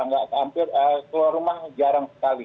nggak hampir keluar rumah jarang sekali